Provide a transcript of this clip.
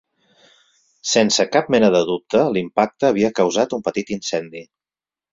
Sense cap mena de dubte l'impacte havia causat un petit incendi.